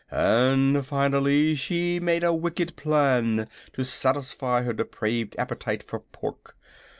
And finally she made a wicked plan to satisfy her depraved appetite for pork.